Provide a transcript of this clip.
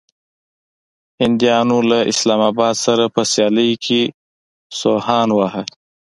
هنديانو له اسلام اباد سره په سيالۍ کې سوهان واهه.